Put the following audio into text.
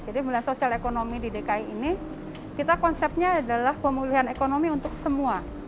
jadi pemulihan sosial ekonomi di dki ini kita konsepnya adalah pemulihan ekonomi untuk semua